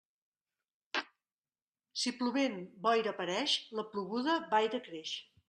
Si plovent, boira apareix, la ploguda va i decreix.